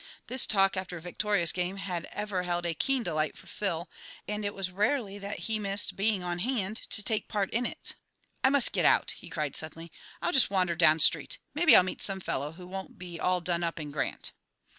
This talk after a victorious game had ever held a keen delight for Phil, and it was rarely that he missed being on hand to take part in it. "I must get out!" he cried suddenly. "I'll just wander down street; maybe I'll meet some fellow who won't be all done up in Grant."